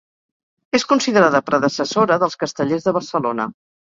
És considerada predecessora dels Castellers de Barcelona.